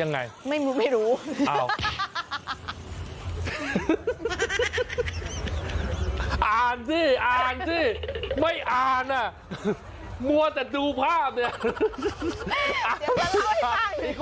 ยังไงอ้าวอ้านสิไม่อ่านอะมัวแต่ดูภาพเนี่ย